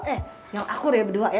eh nyal akur ya berdua ya